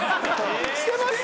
してました？